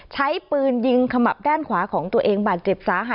ใช้ปืนยิงขมับด้านขวาของตัวเองบาดเจ็บสาหัส